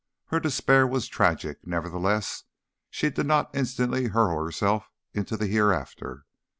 Her despair was tragic; nevertheless, she did not instantly hurl herself into the hereafter.